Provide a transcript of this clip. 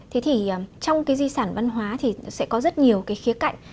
thế thì trong cái di sản văn hóa thì sẽ có rất nhiều cái khía cạnh